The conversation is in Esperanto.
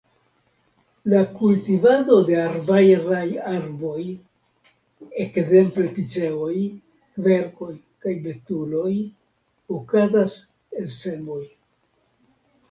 La kultivado de arbaraj arboj, ekzemple piceoj, kverkoj kaj betuloj, okazas el semoj.